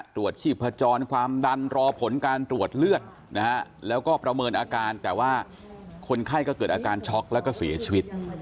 ตรวจชีพจรความดันรอผลการตรวจเลือดนะฮะแล้วก็ประเมินอาการแต่ว่าคนไข้ก็เกิดอาการช็อกแล้วก็เสียชีวิต